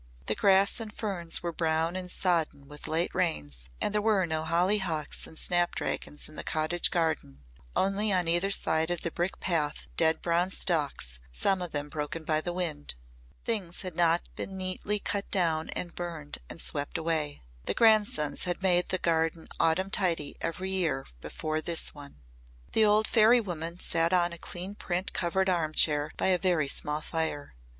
The grass and ferns were brown and sodden with late rains and there were no hollyhocks and snapdragons in the cottage garden only on either side of the brick path dead brown stalks, some of them broken by the wind. Things had not been neatly cut down and burned and swept away. The grandsons had made the garden autumn tidy every year before this one. The old fairy woman sat on a clean print covered arm chair by a very small fire.